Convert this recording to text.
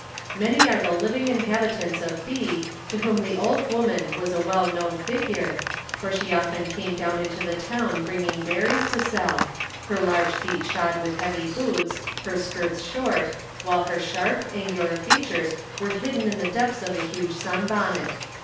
Many are the living inhabitants of B to whom the old woman was a well known figure, for she often came down into the town bringing berries to sell, her large feet shod with heavy boots, her skirts short, while her sharp, angular features were hidden in the depths of a huge sunbonnet.